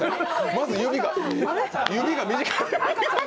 まず指が、指が短い。